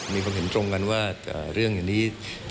มีความเห็นตรงกันว่าเรื่องอย่างนี้